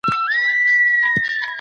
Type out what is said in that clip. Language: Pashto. پخوا وګړپوهني یوازي لومړني خلګ څېړل.